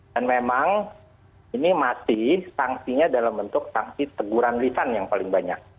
dan memang ini masih sanksinya dalam bentuk sanksi teguran lisan yang paling banyak